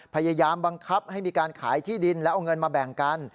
พยายามบังคับให้มีการขายที่ดินแล้วเอาเงินมาแบ่งกัน